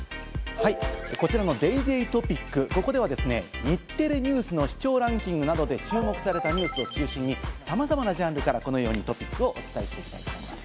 こちらのＤａｙＤａｙ．トピック、ここでは日テレＮＥＷＳの視聴ランキングなどで注目されたニュースを中心にさまざまなジャンルからトピックをお伝えしていきます。